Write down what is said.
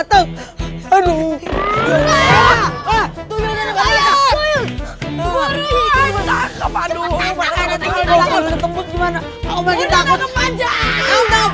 udah langsung kejar